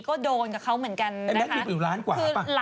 ก็โดนกับเขาเหมือนกันนะคะ